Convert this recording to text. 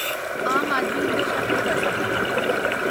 عام آدمی ان پہ رشک ہی کر سکتا ہے۔